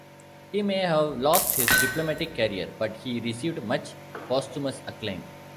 He may have lost his diplomatic career but he received much posthumous acclaim.